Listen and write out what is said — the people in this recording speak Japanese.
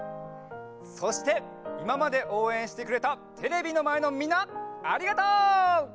そしていままでおうえんしてくれたテレビのまえのみんなありがとう！